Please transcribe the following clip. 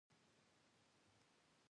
د غرمې پر دولس نیمو بجو ترکیې ته والوځو.